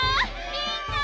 みんな！